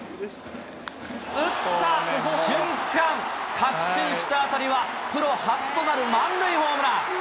打った瞬間、確信した当たりはプロ初となる満塁ホームラン。